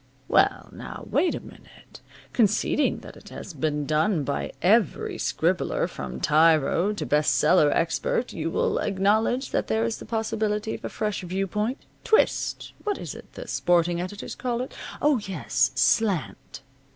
Well, now, wait a minute. Conceding that it has been done by every scribbler from tyro to best seller expert, you will acknowledge that there is the possibility of a fresh viewpoint twist what is it the sporting editors call it? Oh, yes slant.